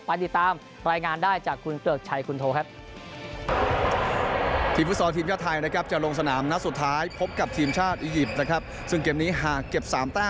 ไปติดตามรายงานได้จากคุณเกิบชายคุณโท